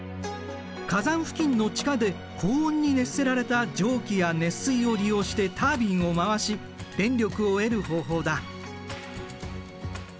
火山付近の地下で高温に熱せられた蒸気や熱水を利用してタービンを回し電力を得る方法だ。